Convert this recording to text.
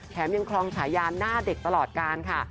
ยังครองฉายาหน้าเด็กตลอดการค่ะ